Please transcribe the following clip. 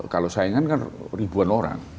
kalau saingan kan ribuan orang